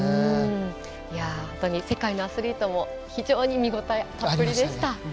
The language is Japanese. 本当に世界のアスリートも非常に見応えたっぷりでした。